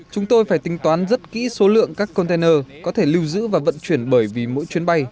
chúng tôi phải tính toán rất kỹ số lượng các container có thể lưu giữ và vận chuyển bởi vì mỗi chuyến bay